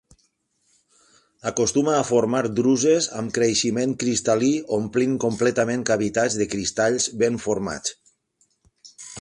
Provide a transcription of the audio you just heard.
Acostuma a formar druses, amb creixement cristal·lí omplint completament cavitats de cristalls ben formats.